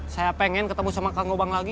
saya pengen ketemu sama kanggobang lagi